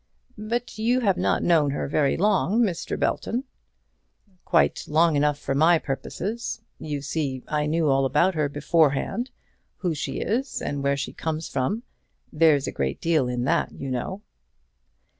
"But you have not known her very long, Mr. Belton." "Quite long enough for my purposes. You see I knew all about her beforehand, who she is, and where she comes from. There's a great deal in that, you know."